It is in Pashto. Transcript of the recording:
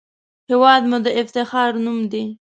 هېواد مو د افتخار نوم دی